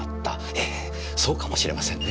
ええそうかもしれませんね。